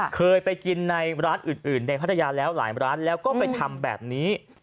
เคยไปกินในร้านอื่นในพัทยาแล้วหลายร้านแล้วก็ไปทำแบบนี้